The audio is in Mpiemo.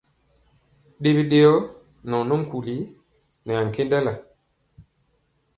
Ɗe biɗeyɔ nɛ ɔ nɔ nkuli nɛ ankendala.